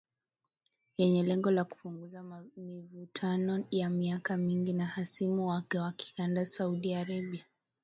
Yenye lengo la kupunguza mivutano ya miaka mingi na hasimu wake wa kikanda Saudi Arabia.